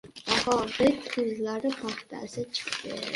Daho... bit ko‘zlari paxtasi chiqdi!